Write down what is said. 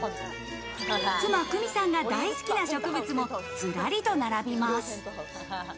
妻・玖美さんが大好きな植物もずらりと並びます。